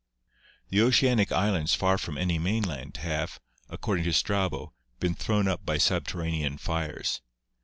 The oceanic islands far from any mainland have, ac cording to Strabo, been thrown up by subterranean fires.